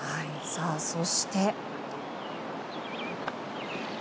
そして。